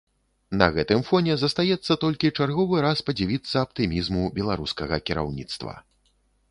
На гэтым фоне застаецца толькі чарговы раз падзівіцца аптымізму беларускага кіраўніцтва.